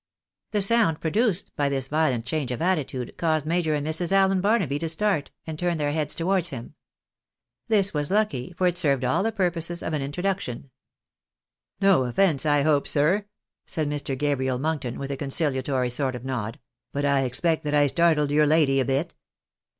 The sound produced by this violent change of attitude, caused Major and Mrs. AUen Barnaby to start, and turn their heads to wards him. This was lucky, for it served aU the purposes of an introduction. s 290 THE BAKNABYS ITN ATiiT7±ti>jA. " No offence, I hope, sir," said Mr. Gabriel Monkton, witli a conciliatory sort of nod ;" but I expect that I startled your lady a bit."